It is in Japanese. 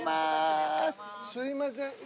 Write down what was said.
すいません。